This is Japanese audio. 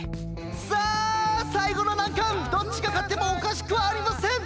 さあさいごのなんかんどっちがかってもおかしくありません！